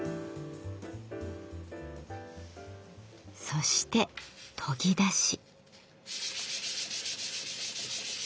そして研ぎ出し。